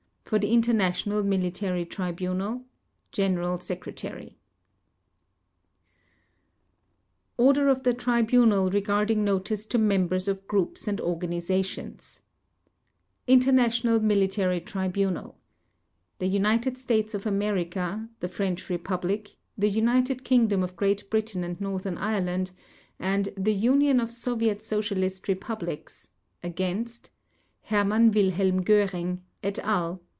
For the International Military Tribunal (no signature) General Secretary ORDER OF THE TRIBUNAL REGARDING NOTICE TO MEMBERS OF GROUPS AND ORGANIZATIONS INTERNATIONAL MILITARY TRIBUNAL THE UNITED STATES OF AMERICA, THE FRENCH REPUBLIC, THE UNITED KINGDOM OF GREAT BRITAIN AND NORTHERN IRELAND, and THE UNION OF SOVIET SOCIALIST REPUBLICS — against — HERMANN WILHELM GÖRING, et al.